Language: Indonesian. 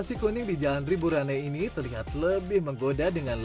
nasi kuning di jalan riburane ini terlihat lebih menggoda dengan